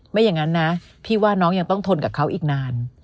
ไม่อย่างนั้นนะพี่ว่าน้องยังต้องทนกับเขาอีกนาน